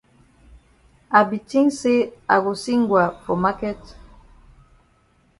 I be tink say I go see Ngwa for maket.